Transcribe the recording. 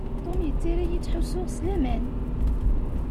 Tom yettarra-yi ttḥussuɣ s laman.